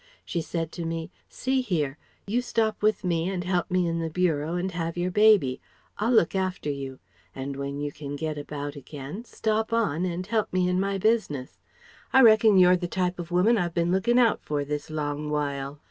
She said to me 'See here. You stop with me and help me in the bureau and have your baby. I'll look after you. And when you can get about again, stop on and help me in my business. I reckon you're the type of woman I've bin looking out for this long while.'